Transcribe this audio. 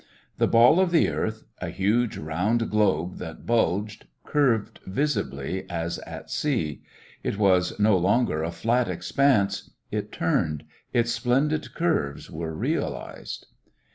The ball of the earth a huge round globe that bulged curved visibly as at sea. It was no longer a flat expanse; it turned. Its splendid curves were realised.